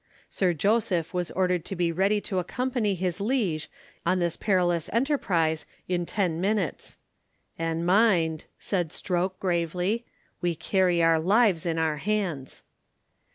Sir Joseph was ordered to be ready to accompany his liege on this perilous enterprise in ten minutes. "And mind," said Stroke, gravely, "we carry our lives in our hands."